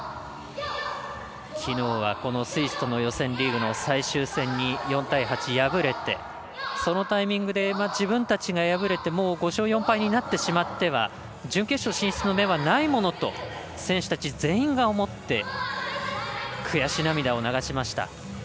きのうは、このスイスとの予選リーグの最終戦に４対８、敗れてそのタイミングで自分たちが敗れてもう５勝４敗になってしまっては準決勝進出はないものと選手たち全員が思って悔し涙を流しました。